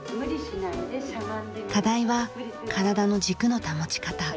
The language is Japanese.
課題は体の軸の保ち方。